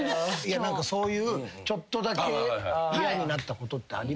何かそういうちょっとだけ嫌になったことってあります？